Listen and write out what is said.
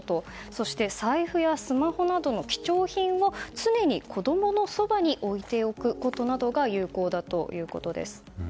そして、財布やスマホなどの貴重品を、常に子供のそばに置いていくことが有効だということです。